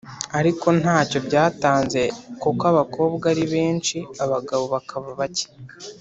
ariko ntacyo byatanze kuko abakobwa ari benshi abagabo bakaba bake.